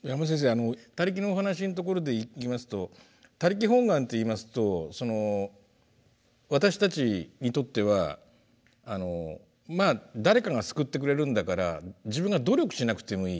あの「他力」のお話のところでいきますと「他力本願」っていいますと私たちにとっては「まあ誰かが救ってくれるんだから自分が努力しなくてもいい。